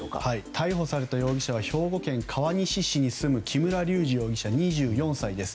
逮捕された容疑者は兵庫県川西市に住む木村隆二容疑者、２４歳です。